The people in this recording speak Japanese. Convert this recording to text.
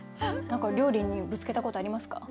何か料理にぶつけたことありますか？